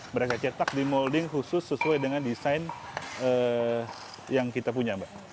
mereka cetak di molding khusus sesuai dengan desain yang kita punya mbak